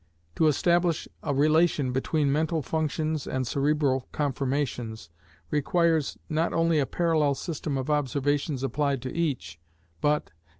To establish a relation between mental functions and cerebral conformations, requires not only a parallel system of observations applied to each, but (as M.